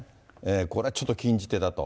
これ、ちょっと禁じ手だと。